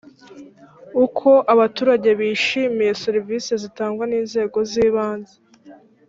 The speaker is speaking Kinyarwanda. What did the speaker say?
uko abaturage bishimiye serivisi zitangwa n inzego z ibanze